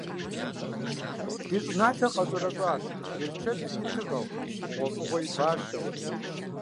Ди щӀыналъэр къэщӀэрэщӀащ, берычэтыр и тыгъэу, хъугъуэфӀыгъуэр и бащэу.